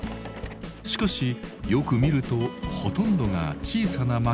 しかしよく見るとほとんどが小さな巻き貝です。